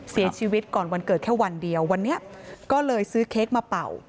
เสียชีวิตก่อนวันเกิดแค่วันเดียววันนี้ก็เลยซื้อเค้กมาเป่า